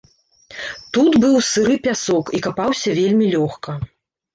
Тут быў сыры пясок і капаўся вельмі лёгка.